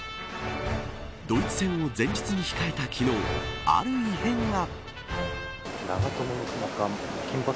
ドイツ戦を前日に控えた昨日ある異変が。